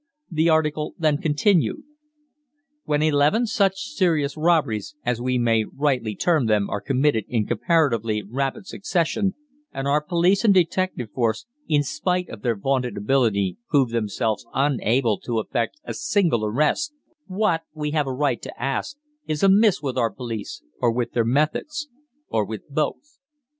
The article then continued: When eleven such serious robberies, as we may rightly term them, are committed in comparatively rapid succession, and our police and detective force, in spite of their vaunted ability, prove themselves unable to effect a single arrest, what, we have a right to ask, is amiss with our police, or with their methods, or with both?